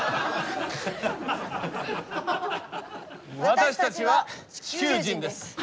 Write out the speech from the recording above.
私たちは地球人です。